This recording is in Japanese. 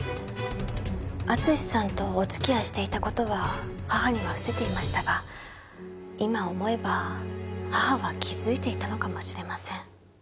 淳史さんとお付き合いしていた事は母には伏せていましたが今思えば母は気づいていたのかもしれません。